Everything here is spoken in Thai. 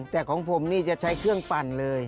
แต่ของผมนี่จะใช้เครื่องปั่นเลย